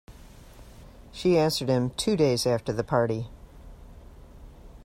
She answered him two days after the party.